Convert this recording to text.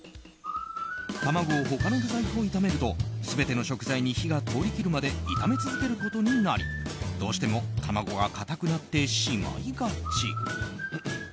卵を他の具材と炒めると全ての食材に火が通りきるまで炒め続けることになりどうしても卵が硬くなってしまいがち。